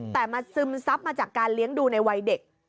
แต่มาซึมซับมาจากการเลี้ยงดูในวัยเด็ก